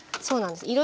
そうなんです。